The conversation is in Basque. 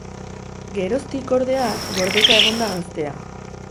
Geroztik, ordea, gordeta egon da gaztea.